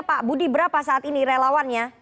pak budi berapa saat ini relawannya